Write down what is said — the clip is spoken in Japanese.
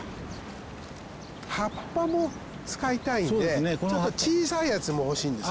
葉っぱも使いたいんでちょっと小さいやつも欲しいんです。